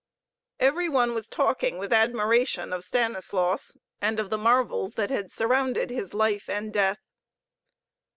Every one was talking with admiration of Stanislaus and of the marvels that had surrounded his life and death.